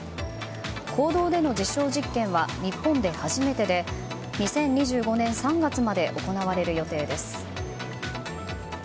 公道での実証実験は日本で初めてで２０２５年３月まで行われる予定です。